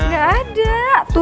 gak ada tuh